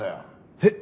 えっ！？